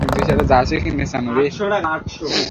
এখানে বসে মাটি পাহারা দেওয়ার জন্য সরকার আমাদের টাকা দিচ্ছে।